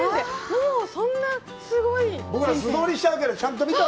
もうそんなすごい先生。